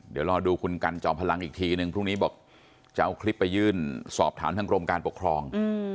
เดี๋ยวรอดูคุณกันจอมพลังอีกทีนึงพรุ่งนี้บอกจะเอาคลิปไปยื่นสอบถามทางกรมการปกครอง